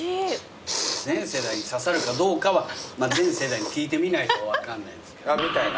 全世代に刺さるかどうかは全世代に聞いてみないと分かんないですけど。